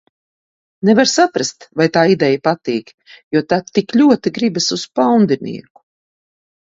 Nevar saprast, vai tā ideja patīk, jo tak tik ļoti gribas uz paundinieku.